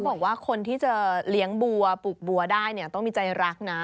บอกว่าคนที่จะเลี้ยงบัวปลูกบัวได้เนี่ยต้องมีใจรักนะ